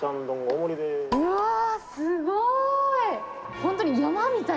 うわー、すごい。